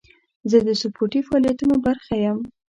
زه د سپورتي فعالیتونو برخه یم.